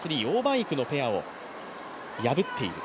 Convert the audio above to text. イクのペアを破っている。